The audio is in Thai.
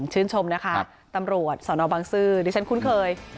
ชื่นชมนะคะตำรวจสนบังซื้อดิฉันคุ้นเคย